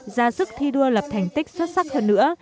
ra sức thi đua lập thành tích xuất sắc hơn nữa